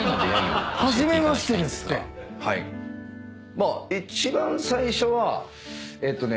「まあ一番最初はえっとね」